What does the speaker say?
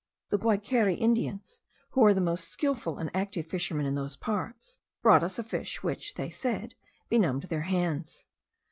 The Guayquerie Indians, who are the most skilful and active fishermen in those parts, brought us a fish, which, they said, benumbed their hands.